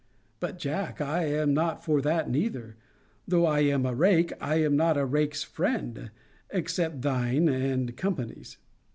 But, Jack, I am not for that neither. Though I am a rake, I am not a rake's friend; except thine and company's.